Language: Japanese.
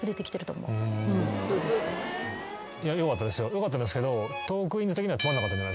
よかったですけど。